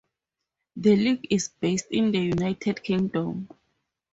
The League is based in the United Kingdom.